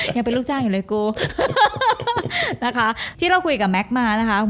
ยังเป็นลูกจ้างหน่อยกูนะคะที่เราคุยกับแม็กซ์มานะค่ะดูแลกู